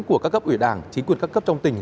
của các cấp ủy đảng chính quyền các cấp trong tỉnh